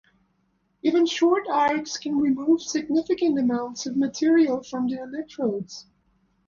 Even short arcs can remove significant amounts of material from the electrodes.